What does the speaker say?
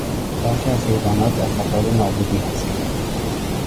برخی از حیوانات در خطر نابودی هستند.